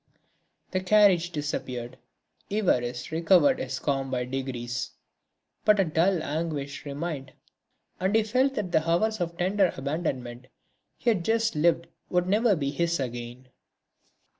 The carriage disappeared. Évariste recovered his calm by degrees; but a dull anguish remained and he felt that the hours of tender abandonment he had just lived would never be his again.